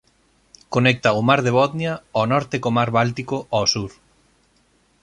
Conecta o mar de Botnia o norte co mar Báltico o sur.